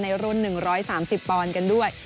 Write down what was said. รุ่น๑๓๐ปอนด์กันด้วย